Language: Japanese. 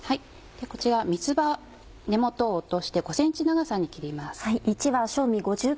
こちら三つ葉は根元を落として５ｃｍ長さに切ります。